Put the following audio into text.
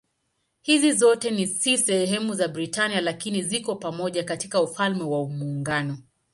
Hizi zote si sehemu ya Britania lakini ziko pamoja katika Ufalme wa Muungano.